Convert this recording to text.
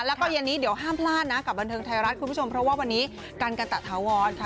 แล้วก็เย็นนี้เดี๋ยวห้ามพลาดนะกับบันเทิงไทยรัฐคุณผู้ชมเพราะว่าวันนี้กันกันตะถาวรค่ะ